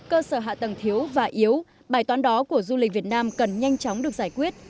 cơ sở hạ tầng thiếu và yếu bài toán đó của du lịch việt nam cần nhanh chóng được giải quyết